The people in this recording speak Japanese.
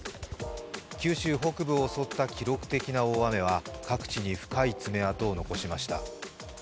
九州北部を襲った記録的な大雨は各地に深い爪痕を残しました。